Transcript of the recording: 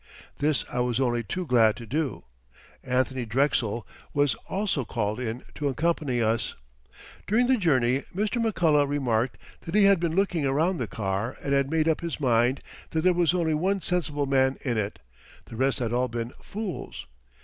This I was only too glad to do. Anthony Drexel was also called in to accompany us. During the journey Mr. McCullough remarked that he had been looking around the car and had made up his mind that there was only one sensible man in it; the rest had all been "fools."